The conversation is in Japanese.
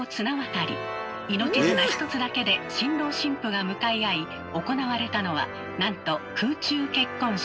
命綱一つだけで新郎新婦が向かい合い行われたのはなんと空中結婚式。